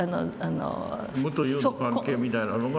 無と有の関係みたいなのが。